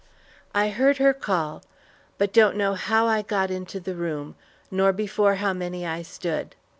I heard her call, but don't know how I got into the room, nor before how many I stood.